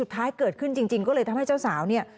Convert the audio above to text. ท้ายเกิดขึ้นจริงก็เลยทำให้เจ้าสาวเนี่ย